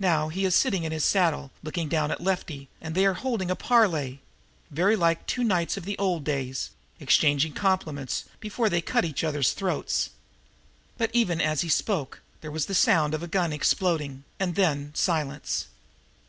Now he is sitting in his saddle, looking down to Lefty, and they are holding a parley very like two knights of the old days, exchanging compliments before they try to cut each other's throats." But, even as he spoke, there was the sound of a gun exploding, and then a silence.